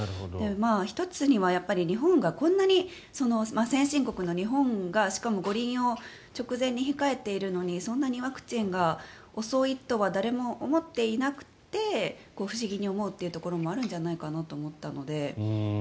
１つには日本がこんなに先進国の日本がしかも五輪を直前に控えているのにそんなにワクチンが遅いとは誰も思っていなくて不思議に思うというところもあるんじゃないかなと思ったので。